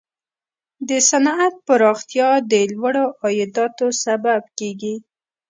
د صنعت پراختیا د لوړو عایداتو سبب کیږي.